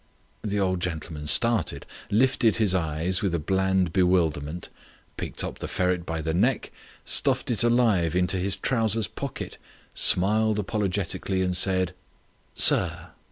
The old gentleman started, lifted his eyes with a bland bewilderment, picked up the ferret by the neck, stuffed it alive into his trousers pocket, smiled apologetically, and said: "Sir."